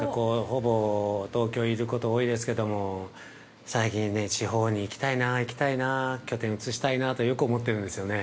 東京にいること多いですけども最近ね、地方に行きたいな拠点を移したいなとよく思ってるんですよね。